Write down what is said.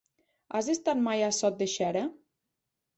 Has estat mai a Sot de Xera?